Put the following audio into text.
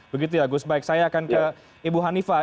begitu ya gus baik saya akan ke ibu hanifah